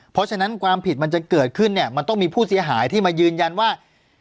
เพราะฉะนั้นความผิดมันจะเกิดขึ้นเนี่ยมันต้องมีผู้เสียหายที่มายืนยันว่า